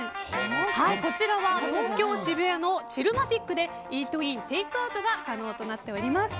こちらは東京・渋谷のＣｈｉｌｌｍａｔｉｃでイートイン、テイクアウトが可能となっております。